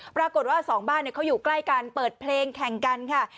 ปรากฏว่าสองบ้านเขาอยู่ใกล้กันเปิดเพลงแข่งกันค่ะ